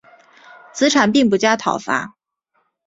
子产并不加讨伐。